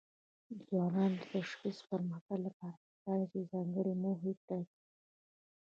د ځوانانو د شخصي پرمختګ لپاره پکار ده چې ځانګړي موخې ټاکي.